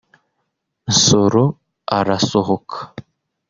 Nsoro arasohoka